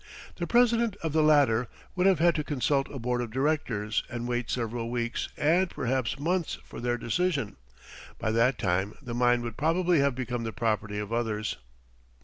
The president of the latter would have had to consult a board of directors and wait several weeks and perhaps months for their decision. By that time the mine would probably have become the property of others.